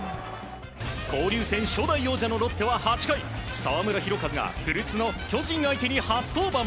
交流戦初代王者のロッテは８回澤村拓一が古巣の巨人相手に初登板。